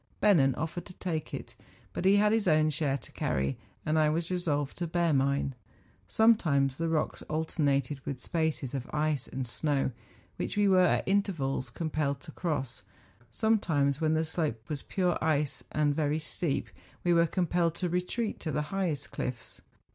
Bennen offered to take it; but he had his own share to carry, and I was resolved to bear mine. Sometimes the rocks alter¬ nated with spaces of ice and snow, which we were at intervals compelled to cross; sometimes when the slope was pure ice and very steep, we were compelled to retreat to the highest cliffs.